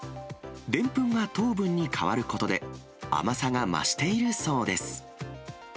でんぷんが糖分に変わることで、甘さが増しているそうです。